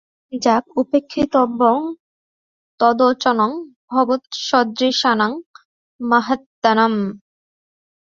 যাক, উপেক্ষিতব্যং তদ্বচনং ভবৎসদৃশানাং মহাত্মনাম্।